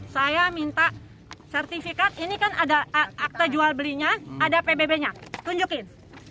saya minta sertifikat ini kan ada akte jual belinya ada pbb nya tunjukin